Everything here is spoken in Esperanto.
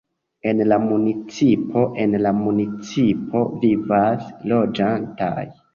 En la municipo En la municipo vivas loĝantoj.